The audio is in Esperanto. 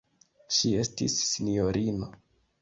Ŝi estis sinjorino.